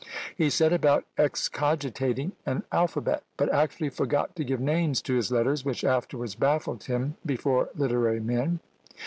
He set about excogitating an alphabet; but actually forgot to give names to his letters, which afterwards baffled him before literary men.